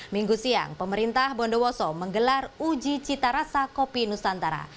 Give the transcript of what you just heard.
minggu siang pemerintah bondowoso menggelar uji cita rasa kopi nusantara